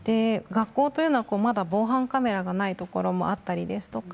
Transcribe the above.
学校というのはまだ防犯カメラがないところもあったりですとか